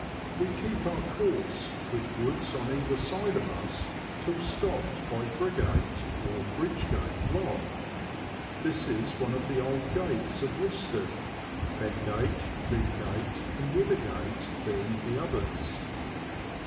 We keep our course, with woods on either side of us, till stopped by Briggate or Bridge gate Lock. This is one of the old gates of Worstead, Bengate, Lyngate, and Withergate being the others.